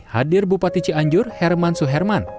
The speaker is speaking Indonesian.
hadir bupati cianjur herman suherman